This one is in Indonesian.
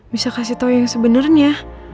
bisa kasih tahu yang sebenarnya